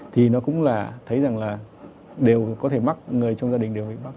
thì nó cũng là thấy rằng là đều có thể mắc người trong gia đình đều bị mắc